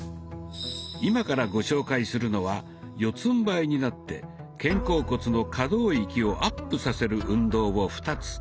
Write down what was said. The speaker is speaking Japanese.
今からご紹介するのは四つんばいになって肩甲骨の可動域をアップさせる運動を２つ。